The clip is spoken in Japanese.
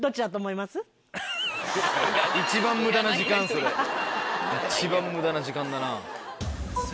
それ一番無駄な時間だな。